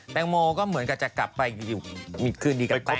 แตงโมก็เหมือนกับจะกลับไปอยู่มีคืนดีกันไป